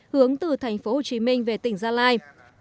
hướng từ thành phố hồ chí minh về tỉnh gia lai